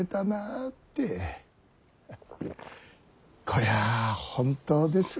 こりゃ本当です。